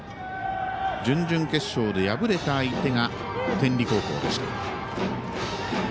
準々決勝で敗れた相手が天理高校でした。